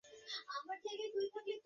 Nice meeting, sir.